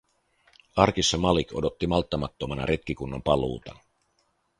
Arkissa Malik odotti malttamattomana retkikunnan paluuta.